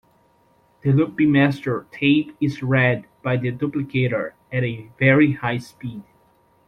The loop-bin master tape is read by the duplicator at a very high speed.